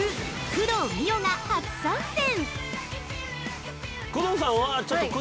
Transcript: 工藤美桜が初参戦！